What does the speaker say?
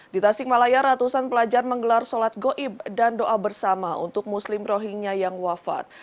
di tasikmalaya ratusan pelajar menggelar sholat goib dan doa bersama untuk muslim rohingya yang wafat